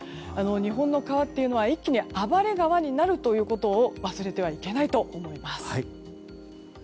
日本の川というのは一気に暴れ川になるということを忘れてはいけないと思います。